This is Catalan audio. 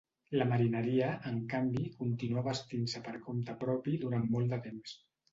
La marineria, en canvi, continuà vestint-se per compte propi durant molt de temps.